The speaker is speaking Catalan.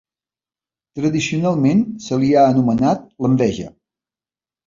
Tradicionalment se li ha anomenat l'Enveja.